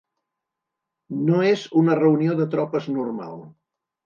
No és una reunió de tropes normal.